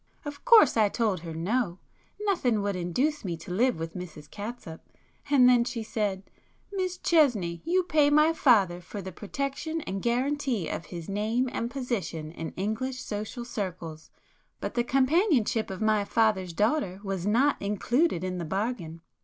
Of course I told her no,—nothing would induce me to live with Mrs Catsup, and then she said—'Miss Chesney, you pay my father for the protection and guarantee of his name and position in English social circles, but the companionship of my father's daughter was not included in the bargain.